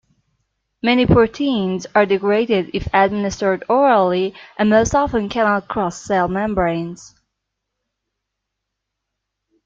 Many proteins are degraded if administered orally and most often cannot cross cell membranes.